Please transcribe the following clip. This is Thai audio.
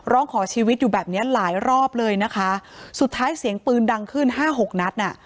ร้องขอชีวิตอยู่แบบเนี้ยหลายรอบเลยนะคะสุดท้ายเสียงปืนดังขึ้นห้าหกนัดอ่ะ